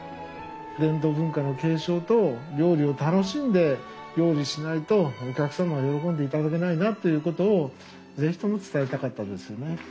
伝統文化の継承と料理を楽しんで料理しないとお客様は喜んでいただけないなということを是非とも伝えたかったですね。